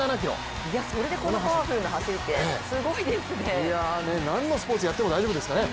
それでこのパワフルな走りってすごいですね。